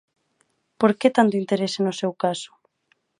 Por que tanto interese no seu caso?